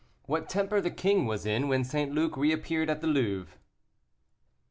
WHAT TEMPER THE KING WAS IN WHEN ST. LUC REAPPEARED AT THE LOUVRE.